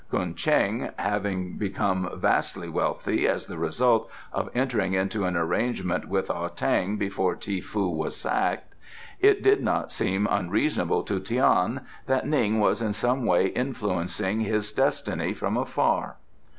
Ko'en Cheng having become vastly wealthy as the result of entering into an arrangement with Ah tang before Ti foo was sacked, it did not seem unreasonable to Tian that Ning was in some way influencing his destiny from afar.